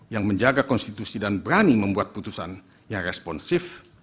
yang menjaga konstitusi dan berani membuat putusan yang responsif